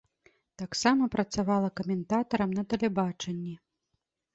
Таксама працавала каментатарам на тэлебачанні.